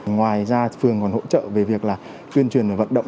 ngoài ra phường còn hỗ trợ về việc là tuyên truyền vận động